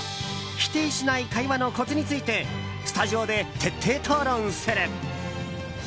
否定しない会話のコツについてスタジオで徹底討論する。